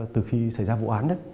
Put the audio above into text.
từ khi xảy ra vụ án